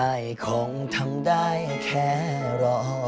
คงทำได้แค่รอ